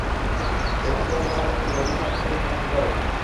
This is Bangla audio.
এফবিআই ডাটাবেজ তাকে ড্যানি শার্প হিসেবে শনাক্ত করেছে।